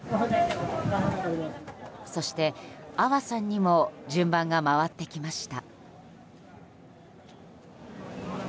そして、阿波さんにも順番が回ってきました。